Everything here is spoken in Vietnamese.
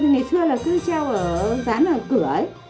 ngày xưa là cứ treo ở dán ở cửa ấy